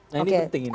nah ini penting